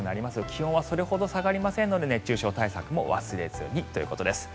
気温はそれほど下がりませんので熱中症対策も忘れずにということです。